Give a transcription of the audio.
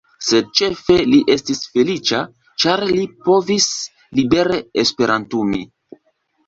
Sed ĉefe li estis feliĉa, ĉar li povis libere esperantumi.